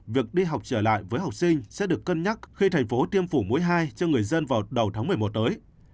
việc đi học trở lại với học sinh sẽ được cân nhắc khi thành phố tiêm phổi mũi hai cho người dân vào đầu tháng một mươi một tới